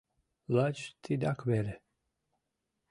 Лач тидак веле!